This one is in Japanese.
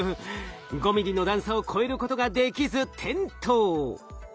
５ｍｍの段差を越えることができず転倒。